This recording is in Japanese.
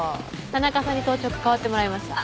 田中さんに当直代わってもらいました。